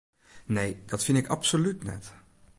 Nee, dat fyn ik absolút net.